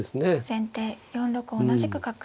先手４六同じく角。